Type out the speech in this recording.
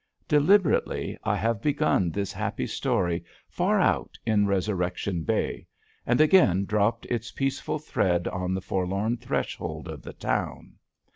Deliberately I have begun this happy story far out in Resurrection Bay; and again dropped its peaceful thread on the forlorn threshold of the town.